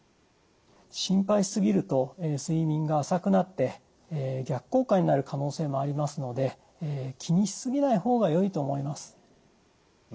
心配しすぎると睡眠が浅くなって逆効果になる可能性もありますので気にしすぎないほうが良いと思います。